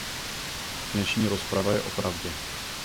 Dnešní rozprava je o pravdě.